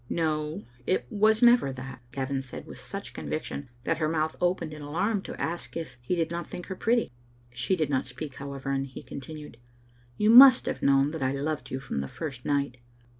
"No, it was never that," Gavin said with such con viction that her mouth opened in alarm to ask him if he did not think her pretty. She did not speak, how ever, and he continued, " You must have known that I loved you from the first night.